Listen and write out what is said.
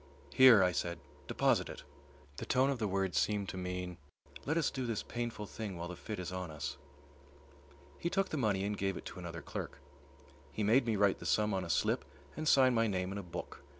"Here," I said, "deposit it." The tone of the words seemed to mean, "Let us do this painful thing while the fit is on us." He took the money and gave it to another clerk. He made me write the sum on a slip and sign my name in a book.